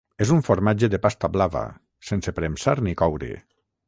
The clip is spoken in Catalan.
És un formatge de pasta blava, sense premsar ni coure.